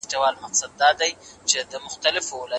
آیا شریف به سبا په وخت خپل معاش ترلاسه کړي؟